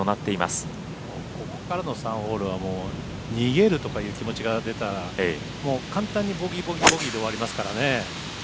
ここからの３ホールは逃げるとかいう気持ちが出たら簡単にボギー、ボギー、ボギーで終わりますからね。